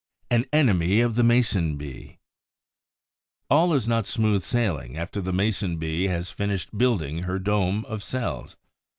AN ENEMY OF THE MASON BEE All is not smooth sailing after the Mason bee has finished building her dome of cells.